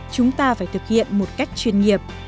chúng ta phải thực hiện một cách chuyên nghiệp